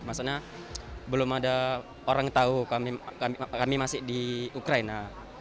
maksudnya belum ada orang tahu kami masih di ukraina